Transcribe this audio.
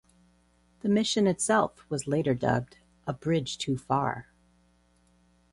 The mission itself was later dubbed "A Bridge Too Far".